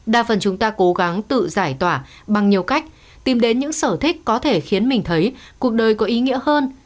đa phần chúng ta cố gắng tự giải tỏa bằng nhiều cách tìm đến những sở thích có thể khiến mình thấy cuộc đời có ý nghĩa hơn